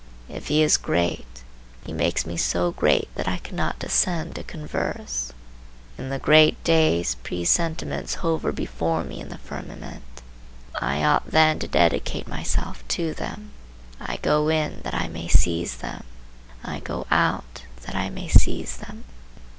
If he is great he makes me so great that I cannot descend to converse. In the great days, presentiments hover before me in the firmament. I ought then to dedicate myself to them. I go in that I may seize them, I go out that I may seize them.